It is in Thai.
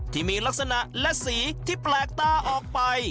ที่มีลักษณะและสีที่แปลกตาออกไป